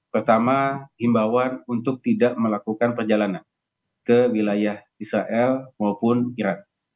pertama himbawan untuk tidak melakukan perjalanan ke wilayah israel maupun iran